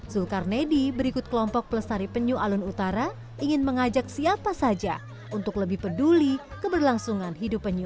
zulkarnedi berikut kelompok pelestari penyu alun utara ingin mengajak siapa saja untuk lebih peduli keberlangsungan hidup penyu